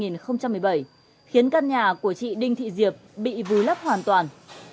năm hai nghìn một mươi bảy khiến căn nhà của chị đinh thị diệp bị vùi lấp hoàn toàn